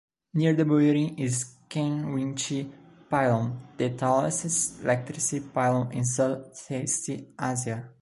Near the building is Kerinchi Pylon, the tallest electricity pylon in Southeast Asia.